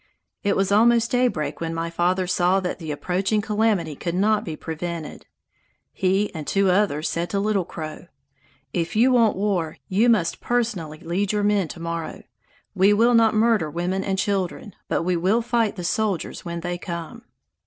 It was almost daybreak when my father saw that the approaching calamity could not be prevented. He and two others said to Little Crow: "If you want war, you must personally lead your men to morrow. We will not murder women and children, but we will fight the soldiers when they come."